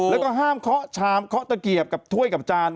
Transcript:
แล้วก็ห้ามเคาะชามเคาะตะเกียบกับถ้วยกับจาน